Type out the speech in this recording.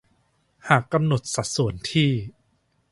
หากกำหนดสัดส่วนที่